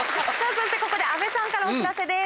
そしてここで阿部さんからお知らせです。